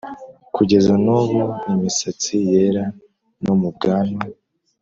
Kugeza n ' ubu imisatsi yera no mu bwanwa